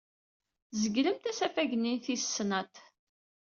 Tzeglemt asafag-nni n tis snat.